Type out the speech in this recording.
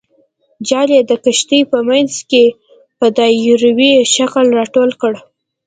جال یې د کښتۍ په منځ کې په دایروي شکل راټول کړ.